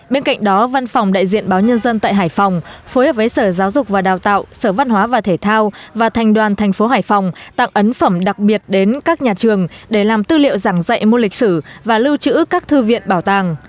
bên cạnh đó văn phòng đại diện báo nhân dân tại hải phòng phối hợp với sở giáo dục và đào tạo sở văn hóa và thể thao và thành đoàn thành phố hải phòng tặng ấn phẩm đặc biệt đến các nhà trường để làm tư liệu giảng dạy môn lịch sử và lưu trữ các thư viện bảo tàng